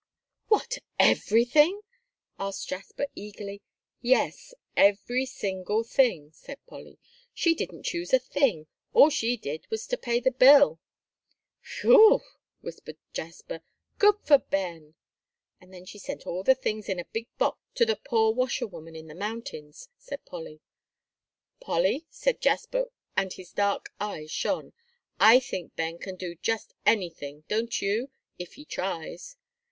"What, everything?" asked Jasper, eagerly. "Yes, every single thing," said Polly. "She didn't choose a thing; all she did was to pay the bill." "Whew!" whistled Jasper. "Good for Ben!" "And then she sent all the things in a big box to the poor washerwoman in the mountains," said Polly. "Polly," said Jasper, and his dark eyes shone, "I think Ben can do just anything, don't you, if he tries?"